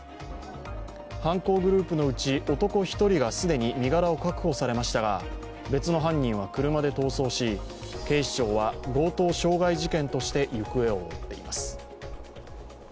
犯行グループのうち男１人が既に身柄を確保されましたが別の犯人は車で逃走し警視庁は強盗傷害事件として行方を追っています。